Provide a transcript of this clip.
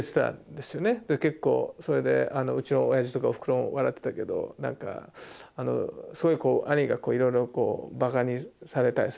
で結構それでうちのおやじとかおふくろも笑ってたけどなんかすごい兄がいろいろこうバカにされたりするっていうかね